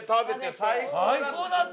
最高だった。